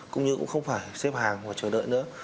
cũng như cũng không phải xếp hàng hoặc chờ đợi nữa